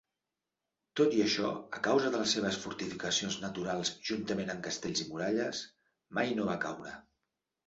Tot i això, a causa de les seves fortificacions naturals juntament amb castells i muralles mai no va caure.